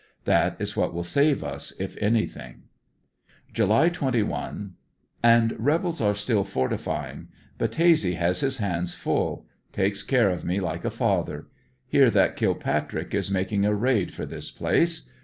That is what will save us if anything July 21. — And rebels are still fortifying. Battese has his hands full. Takes care of me like a father. Hear that Kilpatrick is making a raid for this place.